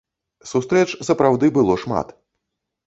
Сустрэч сапраўды было шмат.